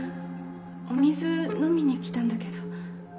お水飲みに来たんだけど。